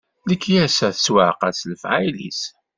Lekyasa tettwaɛqal s lefɛayel-is.